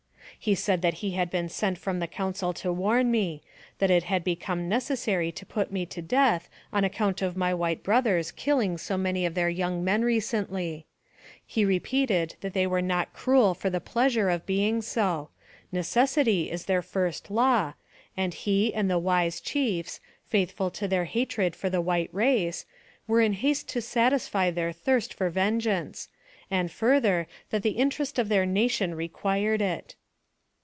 He said that he had been sent from the council to warn me, that it had become necessary to put me to death, on account of my white brothers killing so many of their young men recently. He repeated that they were not cruel for the pleasure 108 NARRATIVE OF CAPTIVITY of being so ; necessity is their first law, and he and the wise chiefs, faithful to their hatred for the white race, were in haste to satisfy their thirst for vengeance; and, further, that the interest of their nation required it.